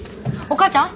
お母ちゃん。